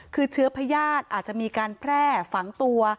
คือเชื้อพญาติอาจจะมีการแพร่ฝังตัว